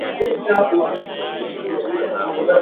yanajiri katika midani ya